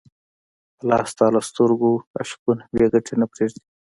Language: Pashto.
الله ستا له سترګو اشکونه بېګټې نه پرېږدي.